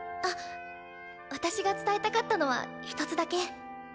あっ私が伝えたかったのは一つだけ。